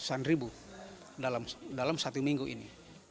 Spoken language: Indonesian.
tiga ratus an ribu dalam satu minggu ini